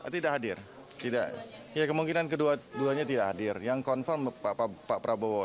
tidak hadir kemungkinan kedua duanya tidak hadir yang konfirm pak prabowo